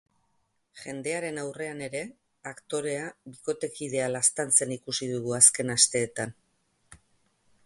Jendearen aurrean ere, aktorea bikotekidea laztantzen ikusi dugu azken asteetan.